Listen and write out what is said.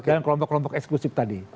dan kelompok kelompok eksklusif tadi